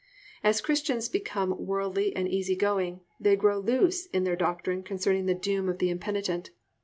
As Christians become worldly and easy going they grow loose in their doctrine concerning the doom of the impenitent.